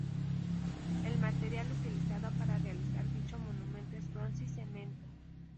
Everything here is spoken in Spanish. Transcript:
El material utilizado para realizar dicho monumento es bronce y cemento.